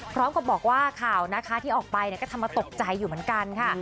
พร้อมกับบอกว่าข่าวนะคะที่ออกไปก็ทำมาตกใจอยู่เหมือนกันค่ะ